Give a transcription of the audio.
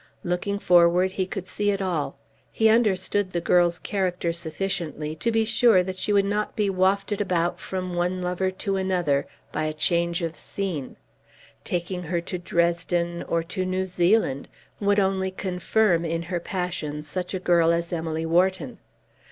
Looking forward he could see it all. He understood the girl's character sufficiently to be sure that she would not be wafted about, from one lover to another, by change of scene. Taking her to Dresden, or to New Zealand, would only confirm in her passion such a girl as Emily Wharton.